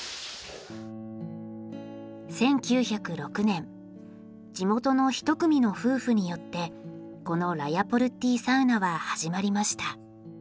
１９０６年地元の一組の夫婦によってこのラヤポルッティ・サウナは始まりました。